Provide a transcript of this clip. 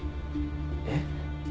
えっ？